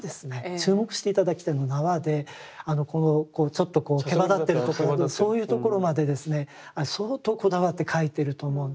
注目して頂きたいのは縄でちょっとこうけばだってるところそういうところまで相当こだわって描いてると思うんですね。